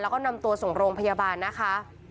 แล้วก็นำตัวส่งโรงพยาบาลนะคะ